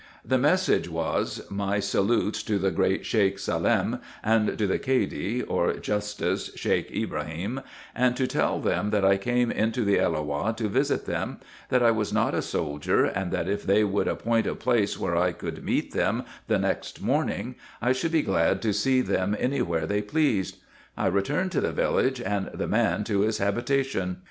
The message was, my salutes to the great Sheik Salem, and to the Cady, or justice, Sheik Ibrahim, and to tell them that I came into the Elloah to visit them ; that I was not a soldier, and that if they would appoint a place where I could meet them the next morning, I should be glad to see them any where they pleased. I returned to the village, and the man to his habitation.